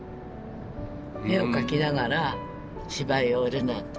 絵を描きながら芝居をやるな」って。